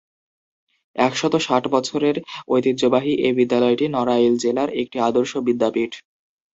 একশত ষাট বৎসরের ঐতিহ্যবাহী এ বিদ্যালয়টি নড়াইল জেলার একটি আদর্শ বিদ্যাপীঠ।